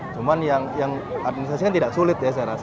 cuma yang administrasi kan tidak sulit ya saya rasa